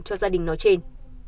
cho gia đình nói trên